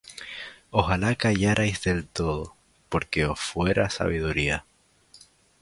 Ojalá callarais del todo, Porque os fuera sabiduría.